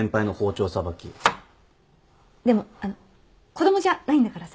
でもあの子供じゃないんだからさ。